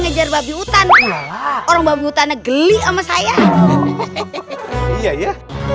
ngajar babi hutan orang orang hutan negeri sama saya iya ya